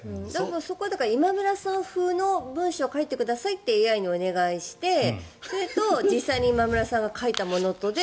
そこを今村さん風の文章を書いてくださいとＡＩにお願いして実際に今村さんが書いたものとを比べて。